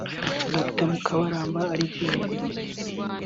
Dr Mukabaramba Alvera